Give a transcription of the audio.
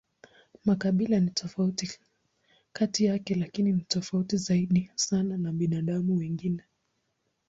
Makabila ni tofauti kati yake, lakini ni tofauti zaidi sana na binadamu wengine.